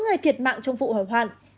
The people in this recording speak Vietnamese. bảy người thiệt mạng trong vụ hồi hoạn